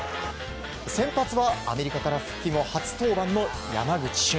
先発はアメリカから復帰後初登板の山口俊。